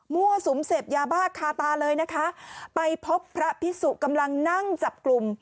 สุมเสพยาบ้าคาตาเลยนะคะไปพบพระพิสุกำลังนั่งจับกลุ่ม